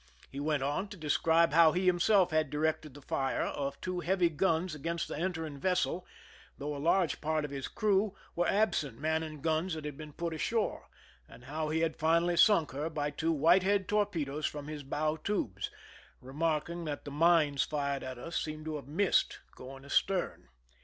He went on to describe how he himself had directed the fire of two heavy guns against the entering vessel, though a large part of his crew were absent manning guns that had been put ashore, and how he had finally sunk her by two Whitehead torpedoes from his bow tubes, remarking that the mines fired at us seemed to have raissed, going astern.